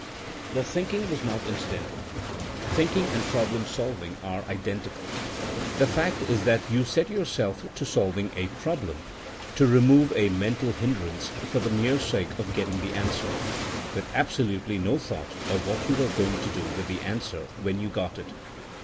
The thinking was not incidental. Thinking and problem solving are identical. The fact is that you set yourself to solving a problem, to removing a mental hin drance, for the mere sake of getting the answer, with absolutely no thought of what you were go ing to do with the answer when you got it.